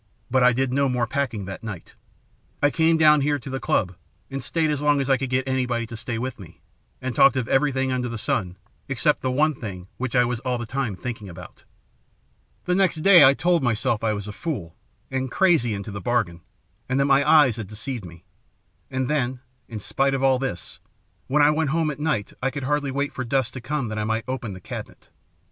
But I did no more packing that night. I came down here to the Club, and stayed as long as I could get anybody to stay with me, and talked of everything under the sun except the one thing which I was all the time thinking about. "The next day I told myself I was a fool, and crazy into the bargain, and that my eyes had deceived me. And then, in spite of all this, when I went home at night I could hardly wait for dusk to come that I might open the cabinet.